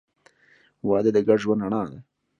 • واده د ګډ ژوند رڼا ده.